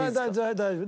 大丈夫。